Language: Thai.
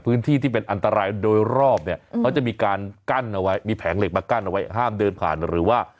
ที่เป็นอันตรายโดยรอบเนี่ยเขาจะมีการกั้นเอาไว้มีแผงเหล็กมากั้นเอาไว้ห้ามเดินผ่านหรือว่า